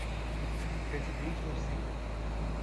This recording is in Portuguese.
Presidente Lucena